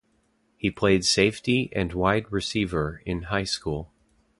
He played safety and wide receiver in high school.